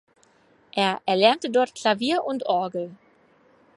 Er erlernte dort Klavier und Orgel.